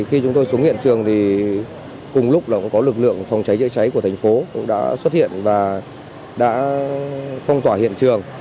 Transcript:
khi chúng tôi xuống hiện trường thì cùng lúc là có lực lượng phòng cháy chữa cháy của thành phố cũng đã xuất hiện và đã phong tỏa hiện trường